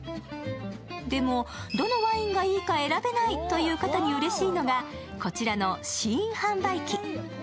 でも、どのワインがいいか選べないという方にうれしいのがこちらの試飲販売機。